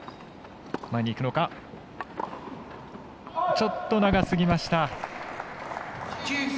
ちょっと長すぎました。